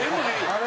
あれ？